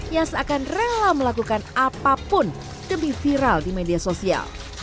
yang seakan rela melakukan apapun demi viral di media sosial